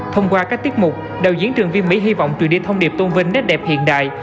thông qua các tiết mục đạo diễn trường viên mỹ hy vọng truyền đi thông điệp tôn vinh nét đẹp hiện đại